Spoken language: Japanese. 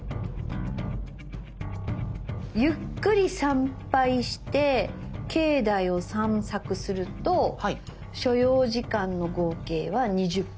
ゆっくり参拝して境内を散策すると所要時間の合計は２０分。